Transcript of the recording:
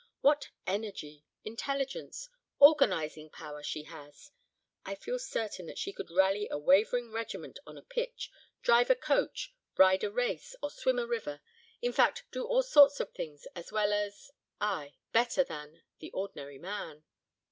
What energy, intelligence, organising power she has; I feel certain that she could rally a wavering regiment on a pinch, drive a coach, ride a race, or swim a river, in fact do all sorts of things, as well as, ay, better than, the ordinary man.